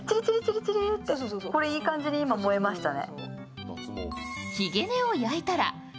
これいい感じで今燃えましたね。